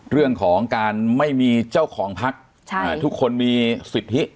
เรื่องของการไม่มีเจ้าของพักทุกคนมีสิทธิ